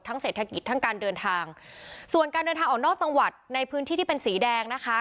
เศรษฐกิจทั้งการเดินทางส่วนการเดินทางออกนอกจังหวัดในพื้นที่ที่เป็นสีแดงนะคะ